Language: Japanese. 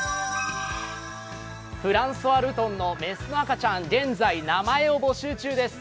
フランソワルトンの雌の赤ちゃん、現在、名前を募集中です。